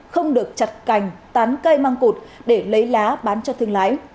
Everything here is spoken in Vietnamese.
không được chặt cành tán cây măng cụt để lấy lá bán cho thương lái